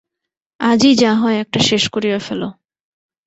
আজই যা হয় একটা শেষ করিয়া ফেলো।